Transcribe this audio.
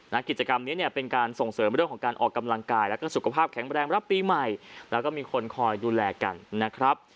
กิจกรรมนี้เนี่ยเป็นการส่งเสริมเรื่องของการออกกำลังกายแล้วก็สุขภาพแข็งแรงรับปีใหม่แล้วก็มีคนคอยดูแลกันนะครับ